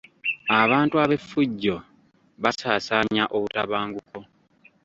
Abantu ab'effujjo basaasaanya obutabanguko.